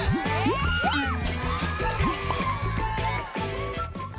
วู้